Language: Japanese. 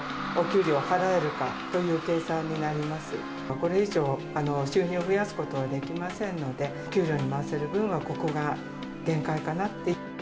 これ以上収入を増やすことはできませんので給料に回せる分はここが限界かなって。